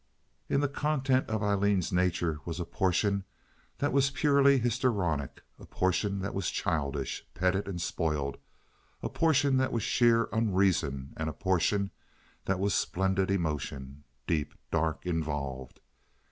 In the content of Aileen's nature was a portion that was purely histrionic, a portion that was childish—petted and spoiled—a portion that was sheer unreason, and a portion that was splendid emotion—deep, dark, involved.